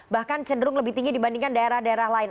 bahkan cenderung lebih tinggi dibandingkan daerah daerah lain